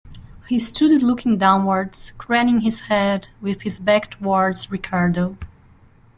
He stood looking downwards, craning his head, with his back towards Ricardo.